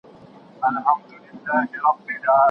د ژوند شرایط باید په پوهه ومنل شي.